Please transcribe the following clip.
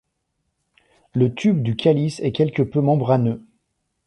Le tube du calice est quelque peu membraneux.